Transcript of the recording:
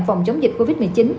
phòng chống dịch covid một mươi chín